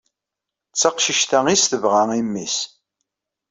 D taqcict-a i as-tebɣa i mmi-s.